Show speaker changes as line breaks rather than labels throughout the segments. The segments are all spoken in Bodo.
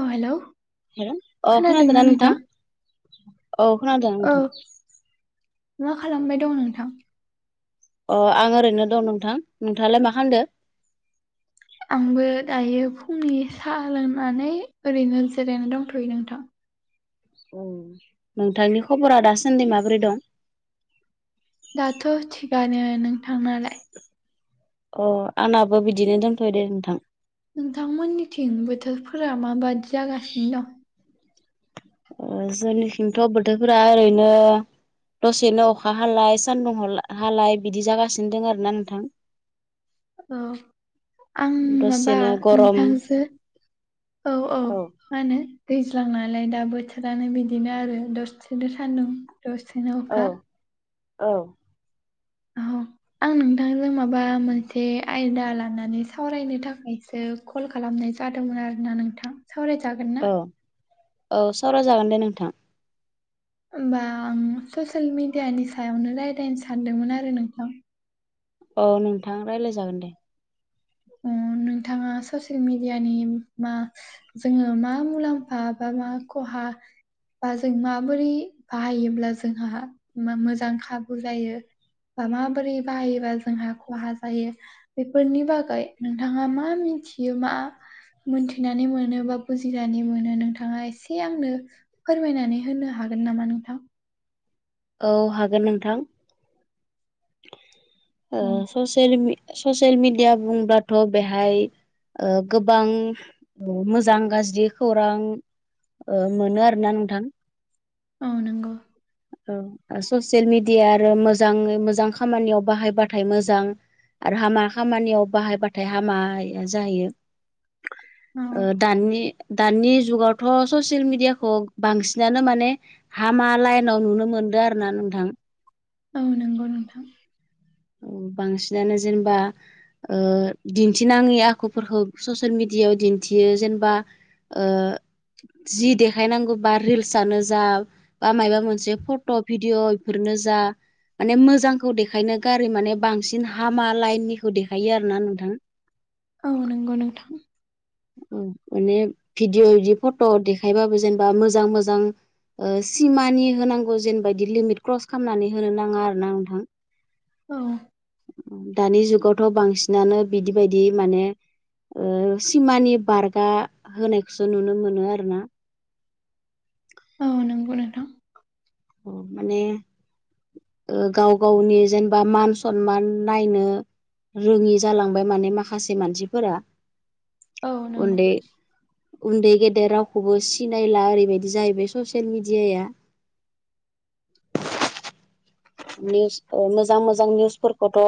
औ हेलौ।
हेलौ अ' खोनादोंना नोंथां? अ' खोनादों
औ
नोंथां।
मा खालामबाय दं नोंथां।
अ' आं ओरैनो दं नोंथां। नोंथाङालाय मा खालामदो?
आंबो दायो फुंनि साहा लोंनानै ओरैनो जिरायना दंथ'यो नोंथां।
उम नोंथांनि खबरा दासान्दि माबोरै दं?
दाथ' थिगानो नोंथांनालाय।
अ' आंनाबो बिदिनो दोंन्थयो दे नोंथां।
नोंथांमोननिथिं बोथोरफोरा माबादि जागासिनो दं।
ओ जोंनिखिंथ' बोथोरफोरा ओरैनो। दसेनो अखा हालाय सानदुं दुंलाय बिदि जागासिनो दं आरोना नोंथां।
औ आं माबा
दसेनो गरम
नोंथांजों औ औ। मा होनो दैज्लां नालाय दा बोथोरानो बिदिनो आरो दसेनो सान्दुं। दसेनो
औ
अखा।
औ।
आं नोंथांजों माबा मोनसे आयदा लानानै सावरायनो थाखायसो। कल खालामनाय जादोंमोन आरोना नोंथां सावरायजागोन ना।
औ सावराय जागोन दे नोंथां।
होमबा आं ससियेल मिडियानि सायावनो राय्लायनो सानदोंमोन आरो नोंथां।
औ नोंथां रायज्लायजागोन दे।
ओ नोंथाङा ससियेल मिडियानि मा। जोङो मा मुलाम्फा बा मा खहा। बा जों माबोरै बाहायोब्ला जोंहा मो मोजां खाबु जायो। बा माबोरै बाहायोबा जोंहा खहा जायो बेफोरनि बागै। नोंथाङा मा मिथियो मा। मोनथिनानै मोनो बा बुजिनानै मोनो नोंथाङा एसे आंनो। फोरमायनानै होनो हागोन नामा नोंथां।
औ हागोन नोंथां।
ओं।
ससिलमि ससिल मिडिया बुंब्लाथ' बेहाय ओ गोबां। औ मोजां गाज्रि खौरां ओ मोनो आरोना नोंथां।
औ नंगौ।
औ ससियेल मिडिया आरो मोजाङै मोजां खामानियाव बाहायबाथाय मोजां। आरो हामा खामानियाव बाहायबाथाय हामाया जायो।
औ
ओ दानि दानि जुगावथ' ससियेल मिडियाखौ बांसिनानो माने हामा लाय उनाव नुनो मोनदों आरो ना नोंथां।
औ नंगौ नोंथां।
औ बांसिनानो जेनेबा ओ दिन्थिनाङै आखुफोरखौ ससियेल मिडियायाव दिन्थियो जेनेबा ओ जि देखायनांगौ बा रिल्सआनो जा बा मायबा मोनसे फट' भिडिअ' बेफोरनो जा माने मोजांखौ देखायनो गारि माने बांसिन हामा लाइननिखौ देखायो आरो ना नोंथां।
औ नंगौ नोंथां।
औ माने भिदिअ बिदि फट' देखायबाबो जेनेबा मोजां मोजां ओ सिमानि होनांगौ जेनेबादि लिमिट क्रस खालामनानै होनो नाङा आरो ना नोंथां।
औ।
दानि जुगावथ' बांसिनानो बिदि बायदि माने ओ सिमानि बारगा होनायखौसो नुनो मोनो आरो ना।
औ नंगौ नोंथां।
अ माने ओ गाव गावनि जेनेबा मान सनमान नायनो रोङि जालांबाय माने माखासे मानसिफोरा
औ नंगौ
उन्दै उन्दै गेदेर रावखौबो सिनायला ओरैबायदि जाहैबाय ससियेल मेडियाया। निउस ओ मोजां मोजां निउसफोरखौथ'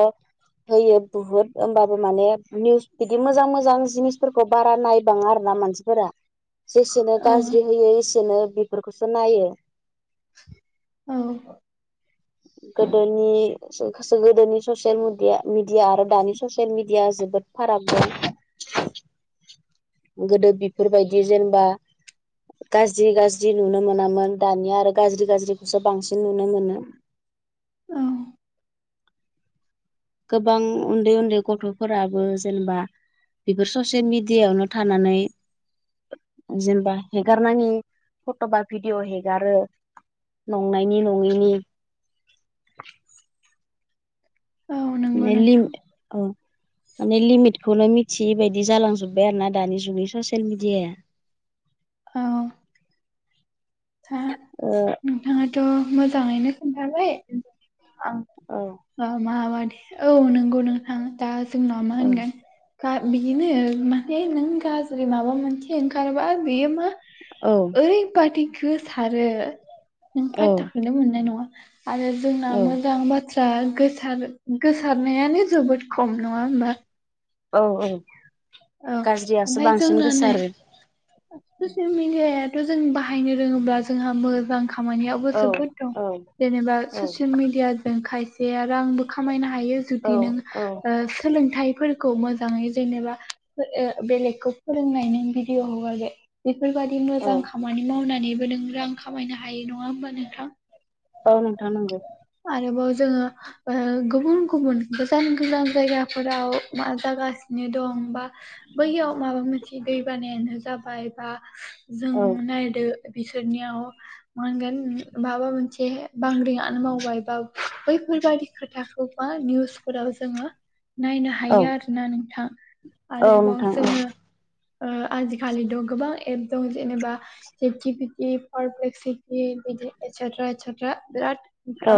होयो बुहुत होमबाबो माने निउस बिदि मोजां मोजां जिनिसफोरखौ बारा नायबाङा आरो ना मानसि फोरा जेसेनो
औ
गाज्रि होयो एसेनो बेफोरखौसो नायो।
औ।
गोदोनि सो गोदोनि ससियेल मिडिया बिदि आरो दानि ससियेल मिडिया जोबोद फाराग दं।
[inaudible]
गोदो बेफोरबायदि जेनेबा गाज्रि गाज्रि नुनो मोनामोन दानिया आरो गाज्रि गाज्रिखौसो बांसिन नुनो मोनो।
औ।
गोबां उन्दै उन्दै गथ'फोराबो जेनेबा बेफोर ससियेल मिडियायावनो थानानै जेनेबा हेगारनाङि फट'बा भिडिअ हेगारो नंनायनि नङैनि
औ
[unintelligible]
नंगौ नोंथां
माने लिमिटखौनो मिथियै बायदि जालांजोब्बाय आरो ना दानि जुगनि ससियेल मिडियाया।
औ। था
ओ
नोंथाङाथ' मोजाङैनो खोन्थाबाय आं
औ।
माबादि औ नंगौ नोंथां दा जोंनाव मा
औ
होनगोन बिदिनो माने नों गाज्रि माबा मोनसे ओंखारबा बेयो मा
औ।
ओरैबादि गोसारो नों
औ
फातताखौनो मोननाय नङा आरो जोंना
औ
मोजां बाथ्रा गोसार गोसारनायानो जोबोद खम नङा होमबा
औ औ
औ
गाज्रियासो
ओमफ्राय
बांसिन
जोंना नै
गोसारो
ससियेल मिडियाथ' जों बाहायनो रोङोब्ला जोंहा मोजां खामानियाव
औ
जोद दं
औ
जेनेबा
औ
ससियेल मिदिया जों खायसे रांबो खामायनो हायो।
औ
जुदि नों
औ
सोलोंथाइफोरखौ मोजाङै जेनेबा बेलेगखौ फोरोंनाइनि बिदिय ह बेफोरबायादि
औ
मोजां खामानि मावनानैबो नों रां खामायनो हायो नङा होमबा नोंथां
औ नोंथां नंगौ
आरोबाव जोङो गुबुन गुबुन गोजान गोजान जायगा फोराव मा जागा नो दं बा बैयाव माबा मोनसे दै बानायानो जाबाय बा जों
औ
नायदो बिसोरनियाव मा होनगोन माबा मोनसे जे बांग्रिङानो मावबाय बा बैफोरबायदि खोथाखौबा निउसफोराव जोङो नायनो
औ
हायो आरोना नोंथां
औ
आरोबाव
नोंथां
जोङो आजिखालि दं गोबां एप दं जेनेबा बिदि बिराद
औ
आ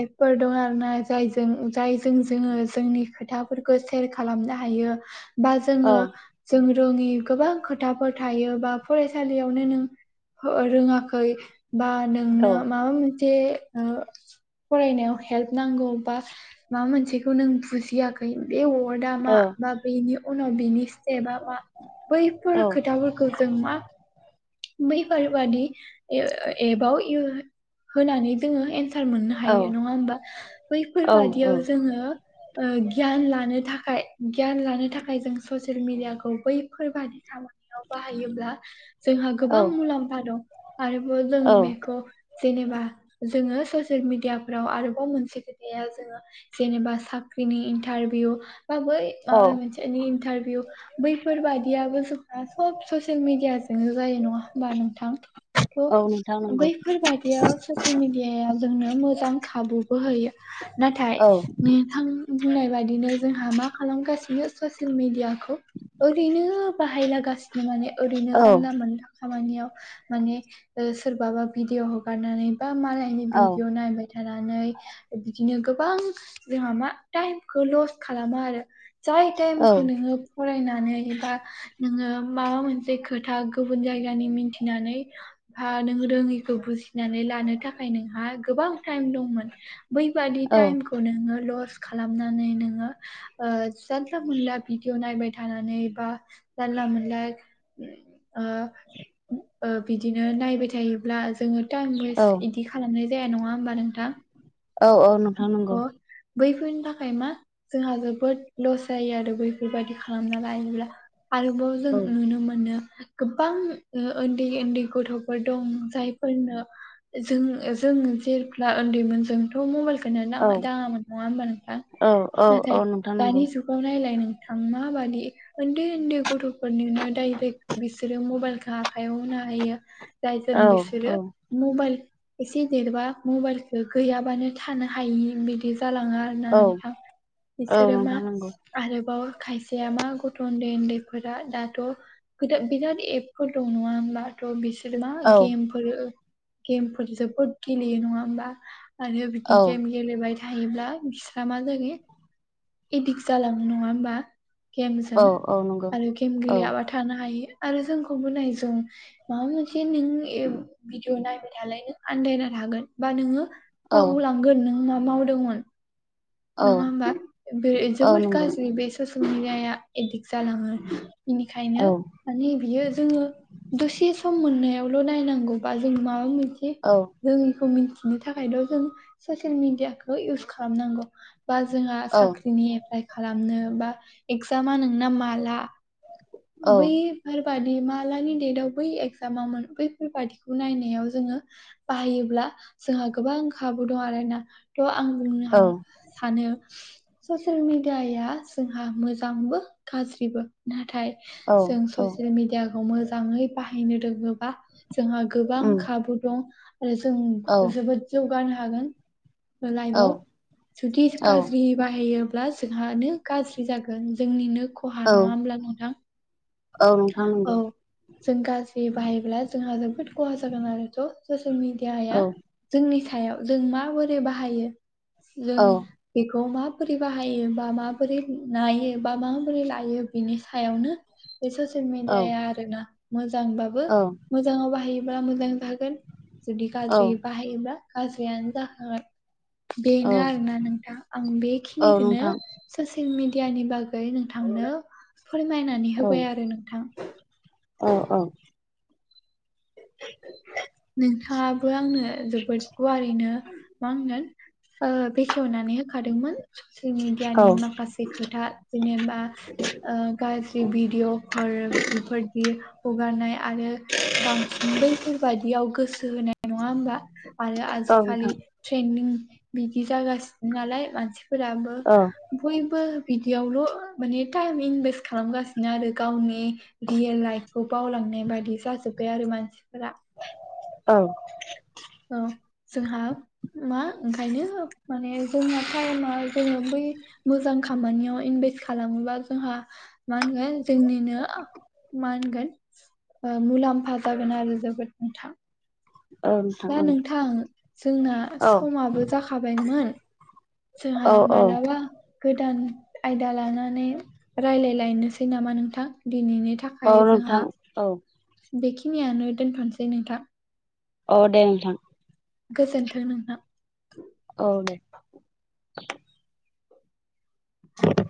एपफोर दं आरोना जायजों जायजों जोङो जोंनि खोथाफोरखौ सेयार खालामनो हायो बा
औ
जोङो जों रोङि गोबां खोथाफोर थायो बा फरायसालियावनो नों रोङाखै बा
औ
नोंनो माबा मोनसे फरायनायाव हेल्प नांगौ बा माबा मोनसेखौ नों बुजियाखै बे वार्डा मा
औ
बा बेैनि उनाव बिनि स्टेपा मा बैफोर खोथाफोरखौ जों मा बैफोरबादि एपाव होनानै जोङो एनसार सार मोननो
औ
हायो नङा होमबा
औ
बैफोरबादियाव जोङो गियान लानो थाखाय गियान लानो थाखाय जों ससियेल मिडियाखौ बैफोर बादि खालामाबा बाहायोब्ला जोंहा गोबां मुलाम्फा दं आरोबाव जों बेखौ जेनेबा जोङो ससियेल मिडियाफोराव आरोबाव मोनसे खोथाया जोङो जेनेबा साख्रिनि इन्टारभिउ बाबै
औ
मोनसे इन्टारभिउ बैफोर बादियाबो जोंहा सब ससियेल मिडिया जनो जायो नङा होमबा नोंथां थ'
औ नोंथां नंगौ
बैफोर बादियाव ससियेल मिडियाया जोंनो मोजां खाबुबो होयो नाथाय
औ
नोंथां बुंनाय बायदिनो जोंहा मा खालामगासिनो ससियेल मेडियाखौ ओरैनो बाहायलागासिनो माने ओरैनो
औ
जानला मोनला खामानियाव माने सोरबाबा भिडअ हगारनानै बा मालाय बिनि
औ
भिडिअ नायबाय थानानै बिदिनो गोबां जोंहा मा टाइमखौ लस खालामो आरो जाय ताइम
औ
खौ
औ
नोङो फरायनानै बा नोङो माबा मोनसे खोथ था गुबुन जायगानि मिथिनानै बा नों रोङिखौ बुजि नानै लानो थाखाय नोंहा गोबां ताइम दंमोन बैबादि ताइमखौ खौ नोङो लस खालामनानै नोङो जानला मोनला भिदिअ नायबाय थानानै बा जानला मोनला ओ बिदिनो नायबाय थायोब्ला जोङो टाइम वेस्ट
औ
इदि खालामनाय जाया नङा होमबा नोंथाङा
औ औ नोंथां नंगौ
बैफोरनि थाखाय मा जोंहा जोबोद लस जायो आरो बैफोरबायदि खालामना लायोब्ला आरोबाव जों
औ
नुनो मोनो गोबां उन्दै उन्दै गथ'फोर दं जायफोरनो जों जों जेब्ला उन्दैमोन जोंथ' मबाइल नो
औ
नाङा दाङामोन नङा हमबा नोंथां
औ
नाथाय
औ नोंथां नंगौ
दानि जु गाव नायलाय नोंथां मााबादि उन्दै उन्दै गथ'फोरनिनो डाइरेक्ट बिसोरो मबाइलखो आखाइयाव होना होयो। जाय जों
औ
बिसोरो
औ
मबाइल एसे देरबा मबाइलखो गैयाबानो थानो हायि बिदि जालाङो आरोना
औ
नोंथां
औ
बिसोरो मा
नोंथां नंगौ
आरोबाव खायसेया मा गथ' उन्दै उन्दैफोरा दाथ' फोरा बिराद एपफोर दं नङा होमब्लाथ' बिसोर मा
औ
गेम फोरो गेम फोर जोबोद गेलेयो नङा होमबा आरो बिदि
औ
गेम गेलेबाय थायोब्ला बिस्रा मा जागे एदिक्ट जालाङो नङा होमबा
औ
गेमजों
औ नंगौ
आरो गेम
औ
गेलेयाबाथा थानो हायो आरो जोंखौबो नाय जं माबा मोनसे नों एप भिडिअ नायबाय थालाय नों आन्दायना थागोन बा नोङो
औ
बावलांगोन नों मा मावदोंमोन।
औ
नङा होमबा बे
औ
जोबोर
नंगौ
गाज्रि बे ससेयेल मिडियाया एडिक्ट जालाङो। इनिखायनो
औ
माने बियो जोङो दसे सम मोननायावल' नायनांगौबा जों माबा मोनसे
औ
रोङिखौ मिन्थिनो थाखायल' जों ससियेल मिडियाखौ इउस खालामनांगौ। बा जोंहा
औ
साख्रिनि एप्लाइ खालामनो बा एगजामा नोंना माला?
औ
बै फोरबादि मालानि डेटआव बै एगजामावमोन बैफोरबादिखौ नायनायाव जोङो बाहायोब्ला जोहा गोबां खाबु दं आरोना थ' आं बुंनो हा सानो ससियेल मिडियाया जोंहा मोजांबो गाज्रिबो नाथाय
औ
जों
औ
ससियेल मिडियाखौ मोजाङै बाहायनो रोङोबा जोंहा गोबां
उम
खाबु दं आरो जों
औ
जोबोद जौगानो हागोन।
औ
लाइफआव जुदिस
औ
गाज्रि बाहायोब्ला जोंहानो गाज्रि जागोन जोंनिनो ख'हा
औ
नङा होमब्ला नोंथां?
औ नोंथां
औ
नोंगौ।
जों गाज्रि बाहायब्ला जोंहा जोबोद ख'हा जागोन आरोथ' ससेयेल मिडियाया
औ
जोंनि सायाव जों माबोरै बाहायो जों
औ
बेखौ माबोरै बाहायो बा माबोरै नायो बा माबोरै लायो बिनि सायावनो बे ससियेल मिडियाया आरोना मोजांबाबो
औ
मोजाङाव बाहायोब्ला मोजां जागोन जुदि गाज्रियै बाहायोब्ला गाज्रियानो जाखागोन।
औ
बेनो आरोना नोंथां आं
औ
बेखिनिखोनो
नोंथां
ससियेल मिडियानि बाग गै नोंथांनो फोरमायनानै
औ
होबाय आरो नोंथां।
औ औ।
थाङाबो आंनो जोबोद गुवारैनो मा होनो ओ बेखेवनानै खादोंमोन ससियेल
औ
मिडियानि माखासे खोथा जेनेबा ओ गाज्रि भिडिअफोर बेफोरदि हगारनाय आरो बांसि बैफोर बादियाव गोसो होनाय नङा होमबा आरो आजिखालि
नोंथां
ट्रेन्दिं बिदि जागासिनो नालाय मानसिफोराबो
औ
बयबो बिदियावल' माने टाइम इनभेस्ट खालामगासिनो आरो गावनि रियेल लाइफ खौ बावलांनाय बायदि जाजोब्बाय आरो मानसिफोरा।
औ
औ जोंहा मा ओंखायनो माने जोंना टाइमा जोङो बै मोजां खामानियाव इनभेस्ट खालामोबा जोंहा मा होनगोन जोंनिनो मा होनगोन ओ मुलाम्फा जागोन आरो जोबोद नोंथां।
औ नोंथां
दा नोंथां जोंना समाबो जाखाबायमोन जाहा
औ
माला बा गोदान आयदा लानानै रायलायलायनोसै नामा नोंथां दिनैनि था
औ
खाय
नोंथां
जोंहा
औ
बेखिनियानो दोनथ'सै नोंथां।
अ दे नोंथां।
गोजोनथों नोंथां।
औ दे। [inaudible]